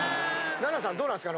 ＮＡＮＡさんどうなんですか？